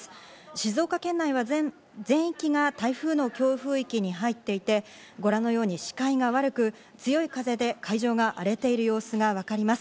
静岡県内は全域が台風の強風域に入っていて、視界が悪く、強い風で海上が荒れている様子が分かります。